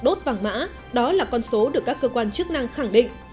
đốt vàng mã đó là con số được các cơ quan chức năng khẳng định